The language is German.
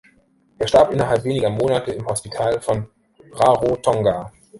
Er starb innerhalb weniger Monate im Hospital von Rarotonga.